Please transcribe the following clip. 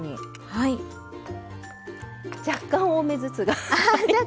はい。若干多めですが。